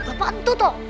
tepat itu toh